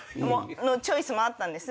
チョイスもあったんです。